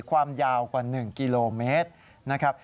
ความยาวกว่า๑กิโลเมตรนะครับ